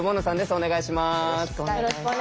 お願いします。